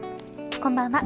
こんばんは。